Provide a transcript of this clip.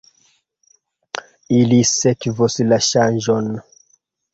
Ili sekvos la ŝanĝon.